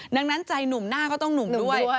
ดังนั้นใจหนุ่มหน้าก็ต้องหนุ่มด้วย